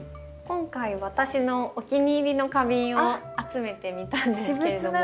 今回私のお気に入りの花瓶を集めてみたんですけれども。